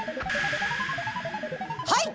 はい！